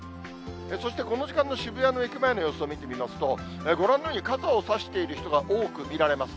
そしてこの時間の渋谷の駅前の様子を見てみますと、ご覧のように、傘を差している人が多く見られます。